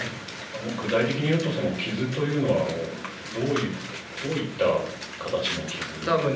具体的にいうと、傷というのはどういった形の傷。